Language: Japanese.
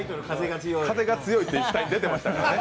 「風が強い」って出てましたからね。